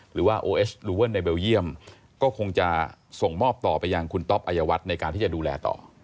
หรือว่าโอเอสลูเวิลในเบลเยี่ยมก็คงจะส่งมอบต่อไปยังคุณต๊อปอายวัฒน์ในการที่จะดูแลต่อ